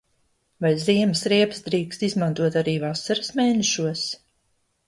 Vai ziemas riepas drīkst izmantot arī vasaras mēnešos?